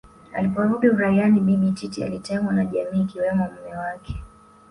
Aliporudi uraiani Bibi Titi alitengwa na jamii ikiwemo mme wake